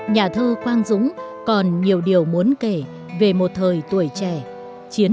nhà thơ quang dũng còn nhiều điều muốn kể về một thời tuổi trẻ chiến trường đi chẳng tiếc đời xanh